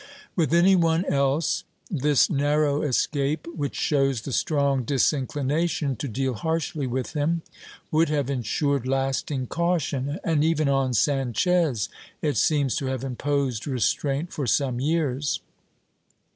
^ With any one else this narrow escape, which shows the strong disinclination to deal harshly with him, would have ensured lasting caution, and even on Sanchez it seems to have imposed restraint for some years.